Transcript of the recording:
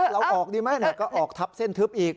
เราออกดีไหมก็ออกทับเส้นทึบอีก